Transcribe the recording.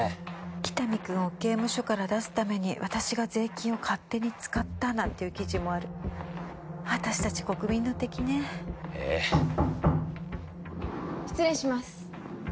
喜多見君を刑務所から出すために私が税金を勝手に使ったなんていう記事もある私達国民の敵ねええ失礼します